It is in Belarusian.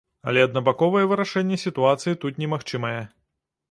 Але аднабаковае вырашэнне сітуацыі тут немагчымае.